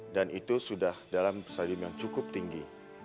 dan itu sudah dalam pesakit yang cukup tinggi